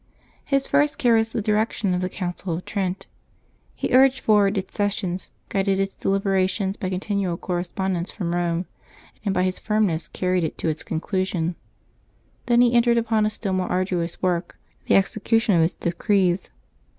His first care was the direction of the Council of Trent. He urged forward its sessions, guided its deliberations by continual correspondence from Rome, and by his firmness carried it to its conclusion. Then he entered upon a still more arduous work — the execution of its decrees.